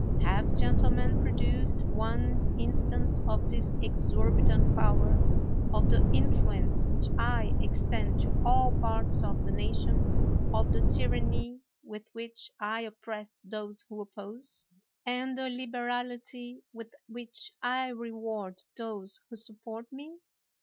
Have gentlemen produced one instance of this exorbitant power ; of the in fluence which I extend to all parts of the nation ; of the tyranny with which I oppress those who oppose, and the liberality with which I reward those who support me